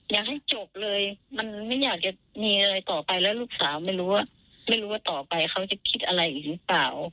อยากให้จบเลยมันไม่อยากจะมีอะไรต่อไปแล้วลูกสาวไม่รู้ว่าต่อไปเขาจะคิดอะไรอีกหรือเปล่า